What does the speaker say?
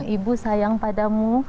ibu sayang padamu